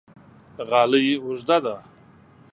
غالۍ اوږده ده